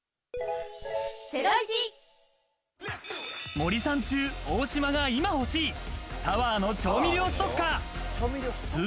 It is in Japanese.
森三中・大島が今欲しいパワーの調味料ストッカー。